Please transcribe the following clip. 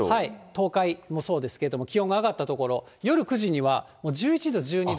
東海もそうですけれども、気温が上がった所、夜９時には、１１度、１２度。